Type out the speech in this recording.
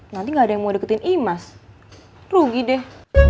nanti gak ada yang mau deketin imas rugi deh